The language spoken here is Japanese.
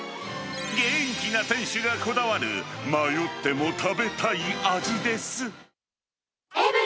元気な店主がこだわる、迷っても食べたい味です。